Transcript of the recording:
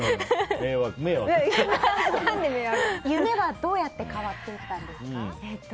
夢はどうやって変わっていったんですか？